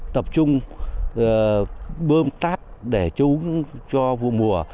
tập trung bơm tát để chống cho vụ mùa